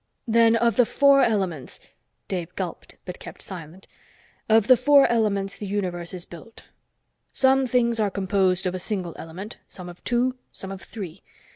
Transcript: Then of the four elements " Dave gulped, but kept silent, " of the four elements the universe is built. Some things are composed of a single element; some of two, some of three.